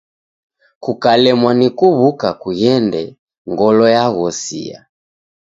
Kukalemwa ni kuw'uka keghende, ngolo yaghosia.